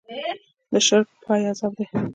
د شرک پای عذاب دی.